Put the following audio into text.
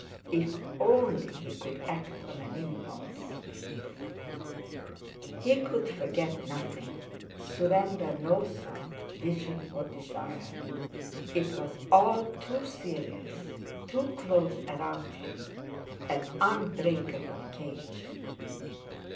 If only he could act on an impulse! He could forget nothing; surrender to no thought, vision, or desire; it was all too serious; too close around him, an unbreakable cage.